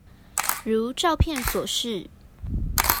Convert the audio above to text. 如照片所示